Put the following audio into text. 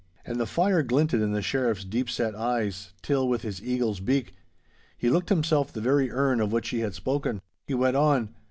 And the fire glinted in the Sheriff's deep set eyes, till, with his eagle's beak, he looked himself the very erne of which he had spoken. He went on.